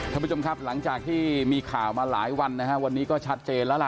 โทษพูดยอมครับหลังจากที่มีข่าวมาหลายวันวันนี้ก็ชัดเจนแล้วล่ะ